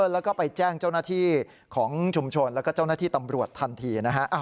แล้วก็ไปแจ้งเจ้าหน้าที่ของชุมชนแล้วก็เจ้าหน้าที่ตำรวจทันทีนะฮะ